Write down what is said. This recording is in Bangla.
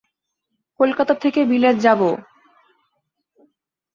কলকাতা থেকে বিলেত যাব।